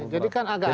jadi kan agak enak